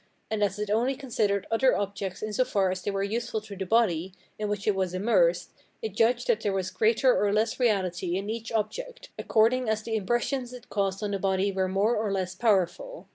] and as it only considered other objects in so far as they were useful to the body, in which it was immersed, it judged that there was greater or less reality in each object, according as the impressions it caused on the body were more or less powerful.